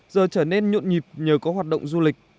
giờ trở nên nhộn nhịp nhờ có hoạt động du lịch